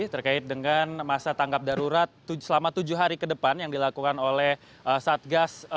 terkait dengan masa tanggap darurat selama tujuh hari ke depan yang dilakukan oleh satgas